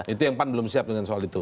itu yang pan belum siap dengan soal itu